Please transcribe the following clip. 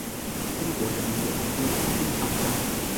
中国人民解放军空军上将。